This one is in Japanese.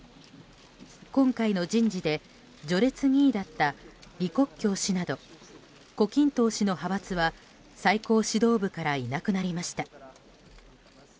今回の人事で序列２位だった李克強氏など胡錦涛氏の派閥は最高指導部からいなくなりました。